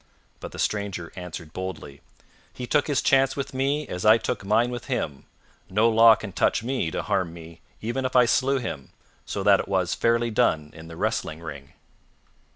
But the stranger answered boldly, "He took his chance with me as I took mine with him. No law can touch me to harm me, even if I slew him, so that it was fairly done in the wrestling ring."